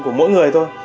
của mỗi người thôi